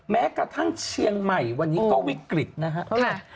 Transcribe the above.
แม้กระทั่งเชียงใหม่วันนี้ก็วิกฤตนะครับ